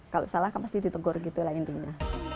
kalau salah kan pasti ditegur gitu lah intinya